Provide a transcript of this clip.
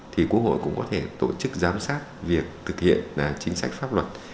thì quốc hội cũng có thể tổ chức giám sát việc thực hiện chính sách pháp luật